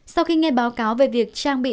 sau khi nghe báo cáo về việc trang bị